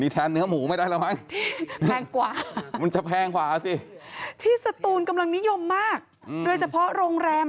ที่สตูนกำลังนิยมมากโดยเฉพาะโรงแรม